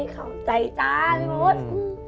ขอบใจจ้าอิมุทธ